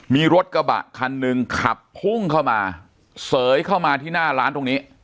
มีรถกระบะคันหนึ่งขับพุ่งเข้ามาเสยเข้ามาที่หน้าร้านตรงนี้